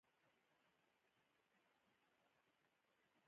د ميرويس خان سترګې ډکې شوې، د ماشوم پر سپېره مخ اوښکه ولوېده.